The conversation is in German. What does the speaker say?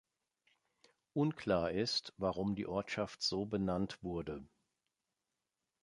Unklar ist, warum die Ortschaft so benannt wurde.